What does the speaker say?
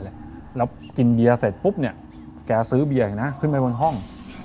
แล้วกินเบียร์เสร็จปุ๊บเนี่ยแกซื้อเบียร์นะขึ้นไปบนห้อง